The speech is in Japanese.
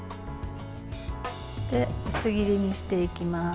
薄切りにしていきます。